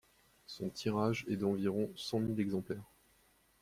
Son tirage est d'environ cent mille exemplaires.